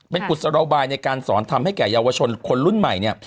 เป็นกุศโลบายในการสอนทำให้แก่เยาวชนคนรุ่นใหม่เนี่ย